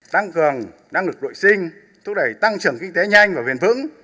tăng cường năng lực đội sinh thúc đẩy tăng trưởng kinh tế nhanh và viên vững